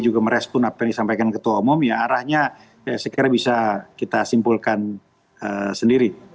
juga merespon apa yang disampaikan ketua umum ya arahnya saya kira bisa kita simpulkan sendiri